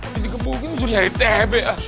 abis dikepukin lo nyari tebek